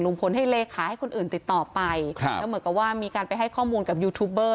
ให้เลขาให้คนอื่นติดต่อไปครับแล้วเหมือนกับว่ามีการไปให้ข้อมูลกับยูทูบเบอร์